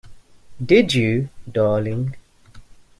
Did you, darling?